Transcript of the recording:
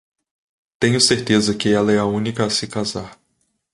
Tenho certeza que ela é a única a se casar.